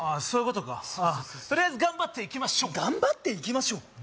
そういうことかとりあえず頑張っていきましょう頑張っていきましょう？